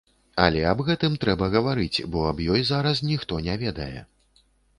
Але аб гэтым трэба гаварыць, бо аб ёй зараз ніхто не ведае.